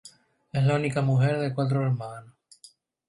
Es la única mujer de cuatro hermanos.